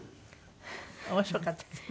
面白かったですね。